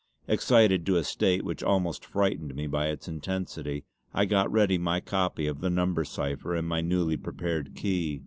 Excited to a state which almost frightened me by its intensity, I got ready my copy of the number cipher and my newly prepared key.